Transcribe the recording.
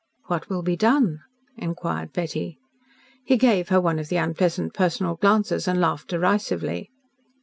"What will be done?" inquired Betty. He gave her one of the unpleasant personal glances and laughed derisively.